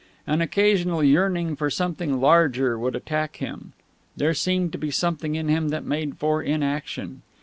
An occasional yearning for something larger would attack him. There seemed to be something in him that made for inaction.